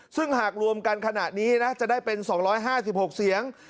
ซึ่งหากรวมกันขณะนี้นะจะได้เป็นสองร้อยห้าสิบหกเสียง